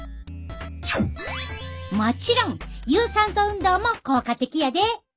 もちろん有酸素運動も効果的やで。